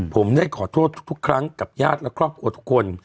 ผมได้ขอโทษทุกครั้งกับญาติและครอบครัวทุกคน